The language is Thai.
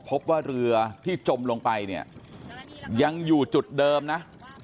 พบว่าเรือที่จมลงไปเนี่ยยังอยู่จุดเดิมนะ